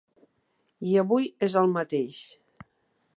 I avui és el mateix.